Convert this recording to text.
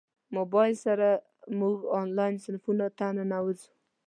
موبایل سره موږ انلاین صنفونو ته ننوځو.